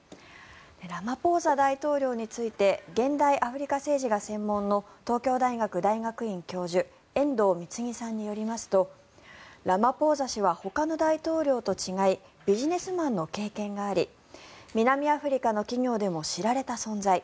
ラマポーザ大統領について現代アフリカ政治が専門の東京大学大学院教授遠藤貢さんによりますとラマポーザ氏はほかの大統領と違いビジネスマンの経験があり南アフリカの企業でも知られた存在。